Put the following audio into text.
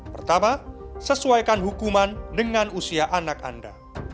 pertama sesuaikan hukuman dengan usia anak anda